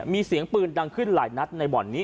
มีเสียงปืนดังขึ้นหลายนัดในบ่อนนี้